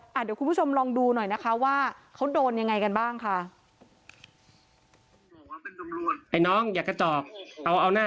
เดี๋ยวคุณผู้ชมลองดูหน่อยนะคะว่าเขาโดนยังไงกันบ้างค่ะ